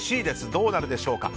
どうなるでしょうか。